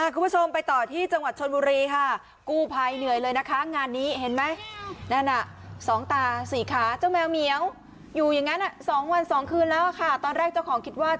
คุณผู้ชมไปต่อที่จังหวัดชนบุรีค่ะ